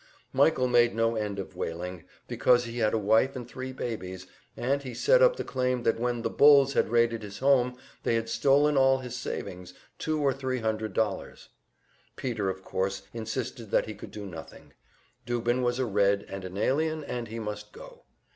Michael made no end of wailing, because he had a wife and three babies, and he set up the claim that when the "bulls" had raided his home they had stolen all his savings, two or three hundred dollars. Peter, of course, insisted that he could do nothing; Dubin was a Red and an alien, and he must go.